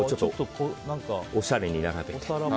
おしゃれに並べて。